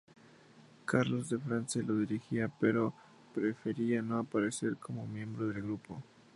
Carlos de France lo dirigía pero prefería no aparecer como miembro del grupo.